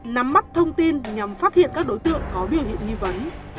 nắm mắt thông tin nhằm phát hiện các đối tượng có biểu hiện nghi vấn